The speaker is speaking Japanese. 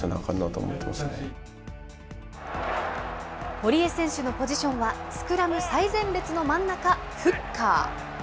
堀江選手のポジションは、スクラム最前列の真ん中、フッカー。